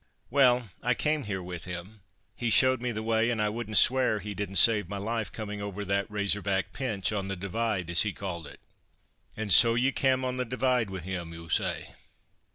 "Well, I came here with him. He showed me the way, an I wouldn't swear he didn't save my life, coming over that Razor back pinch, on the Divide, as he called it." "And so ye cam' on the Divide wi' him, ou, ay?